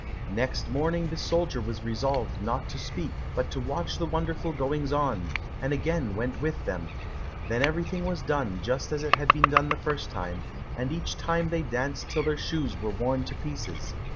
Next morning the soldier was resolved not to speak, but to watch the wonderful goings on, and again went with them. Then everything was done just as it had been done the first time, and each time they danced until their shoes were worn to pieces.